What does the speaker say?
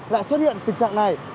lại xuất hiện tình trạng này